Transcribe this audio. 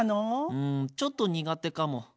うんちょっと苦手かも。